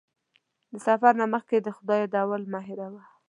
د سفر نه مخکې د خدای یادول مه هېروه.